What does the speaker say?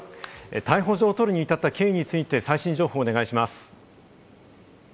逮捕状を取るに至った経緯について最新情報をお願いします。